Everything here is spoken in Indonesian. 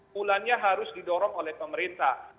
bulannya harus didorong oleh pemerintah